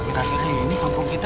akhir akhirnya ini kampung kita